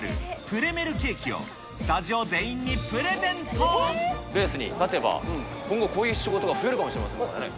プレメルケーキを、スタジオレースに勝てば今後、こういう仕事が増えるかもしれませんからね。